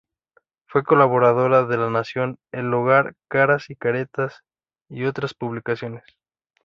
Fue colaboradora de La Nación, El Hogar, Caras y Caretas y otras publicaciones.